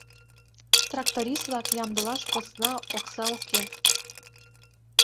Тракторист-влак ямдылаш посна окса уке.